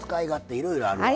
いろいろあるな。